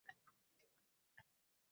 Buning iloji yo'q.